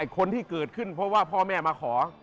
คนที่เกิดขึ้นเพราะว่าพ่อแม่มาขอ